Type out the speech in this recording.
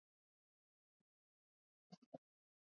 jinsia zote wanaume wanawake na vilevile rika zote